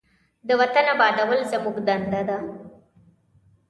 د وطن آبادول زموږ دنده ده.